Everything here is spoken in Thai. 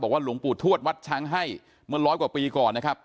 หลวงปู่ทวดวัดช้างให้เมื่อร้อยกว่าปีก่อนนะครับ